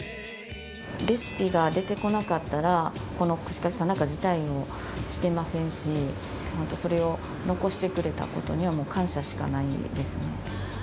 レシピが出てこなかったら、この串カツ田中自体もしてませんし、本当、それを残してくれたことにはもう感謝しかないですね。